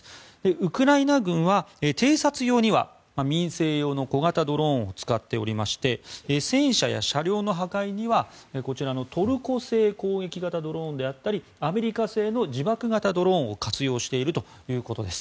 ウクライナ軍は偵察用には民生用の小型ドローンを使っておりまして戦車や車両の破壊にはこちらのトルコ製攻撃型ドローンであったりアメリカ製の自爆型ドローンを活用しているということです。